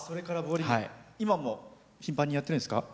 今も頻繁にやってるんですか？